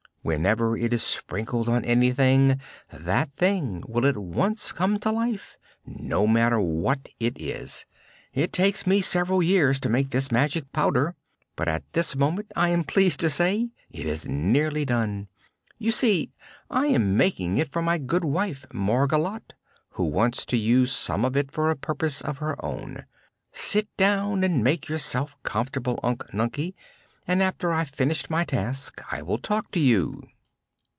Whenever it is sprinkled on anything, that thing will at once come to life, no matter what it is. It takes me several years to make this magic Powder, but at this moment I am pleased to say it is nearly done. You see, I am making it for my good wife Margolotte, who wants to use some of it for a purpose of her own. Sit down and make yourself comfortable, Unc Nunkie, and after I've finished my task I will talk to you."